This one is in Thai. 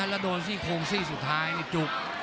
แล้วโดนซี่โครงซี่สุดท้ายจุก